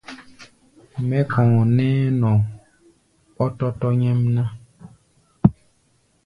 Mɛ́ kɔ̧ɔ̧ nɛ́ɛ́ nɔ ɓɔ́tɔ́tɔ́ nyɛ́mná.